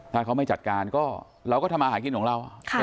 ถ้าเขาไม่จัดการก็เราก็ทำมาหากินของเรา